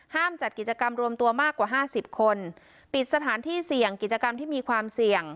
จัดกิจกรรมรวมตัวมากกว่าห้าสิบคนปิดสถานที่เสี่ยงกิจกรรมที่มีความเสี่ยง